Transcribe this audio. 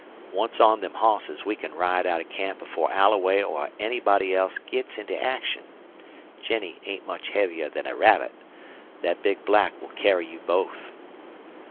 Once on them hosses, we can ride out of camp before Alloway or anybody else gits into action. Jennie ain't much heavier than a rabbit. Thet big black will carry you both."